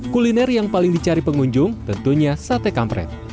kuliner yang paling dicari pengunjung tentunya sate kampret